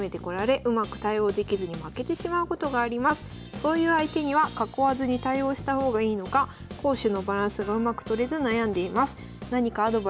「そういう相手には囲わずに対応した方がいいのか攻守のバランスがうまくとれず悩んでいます」。